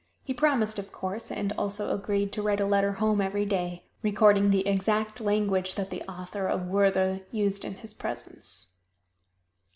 He promised, of course, and also agreed to write a letter home every day, recording the exact language that the author of "Werther" used in his presence.